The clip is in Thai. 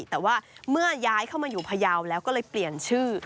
แต่ว่าเมื่อย้ายเข้ามาอยู่พยาวแล้วก็เลยเปลี่ยนชื่อ